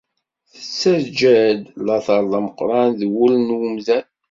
Tettağğa-d lateṛ d ameqqṛan d wul n umdan.